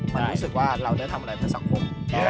มันนิสึกว่าเราได้ทำอะไรเป็นสังคม